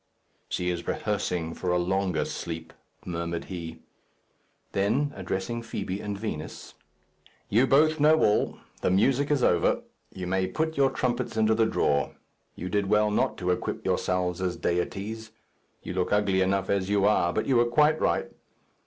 "She is rehearsing for a longer sleep," murmured he. Then, addressing Fibi and Vinos, "You both know all. The music is over. You may put your trumpets into the drawer. You did well not to equip yourselves as deities. You look ugly enough as you are, but you were quite right.